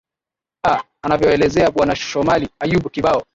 a anavyoelezea bwana shomali ayub kibao